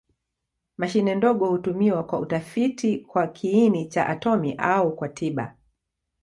Mashine ndogo hutumiwa kwa utafiti kwa kiini cha atomi au kwa tiba.